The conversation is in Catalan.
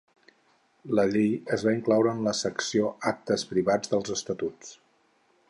La llei es va incloure a la secció "Actes privats" dels Estatuts.